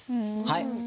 はい。